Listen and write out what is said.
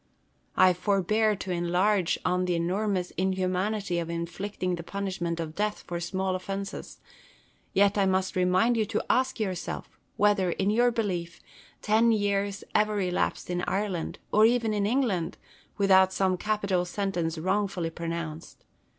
I forbear to enlarge on the enormous inhumanity of inflicting the punishment of death for small offences ; yet I must remind you to ask yourself, whether, in your belief, ten years ever elapsed in Ireland, or even in England, without some capital sentence wrongfully pronounced.